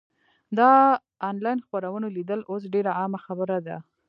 د انلاین خپرونو لیدل اوس ډېره عامه خبره ده.